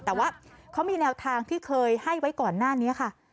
แต่ว่าเขามีแนวทางที่เคยให้ไว้ก่อนหน้านี้ค่ะ